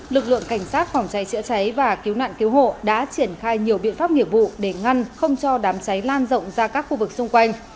lực lượng cảnh sát phòng cháy chữa cháy và cứu nạn cứu hộ đã triển khai nhiều biện pháp nghiệp vụ để ngăn không cho đám cháy lan rộng ra các khu vực xung quanh